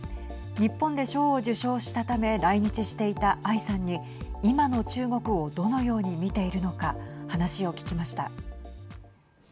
日本で賞を受賞したため来日していたアイさんに今の中国をどのように見ているのか話を聞きました。